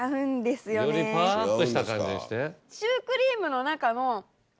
よりパワーアップした感じにして。